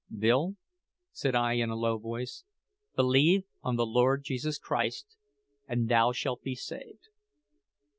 "Bill," said I in a low voice, "`Believe on the Lord Jesus Christ, and thou shalt be saved.'"